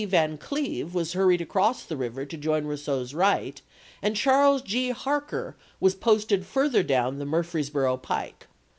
Van Cleve was hurried across the river to join Rousseau's right, and Charles G. Harker was posted further down the Murfreesboro pike.